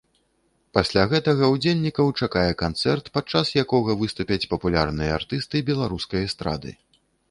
Пасля гэтага ўдзельнікаў чакае канцэрт, падчас якога выступяць папулярныя артысты беларускай эстрады.